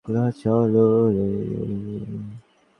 এখন তাঁহারা বাসনা হইল, অন্যান্য ধর্ম কিরূপ তাহা জানিবেন।